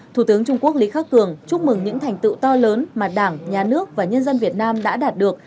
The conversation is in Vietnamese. thủ tướng trung quốc lý khắc cường chúc mừng những thành tựu to lớn mà đảng nhà nước và nhân dân việt nam đã đạt được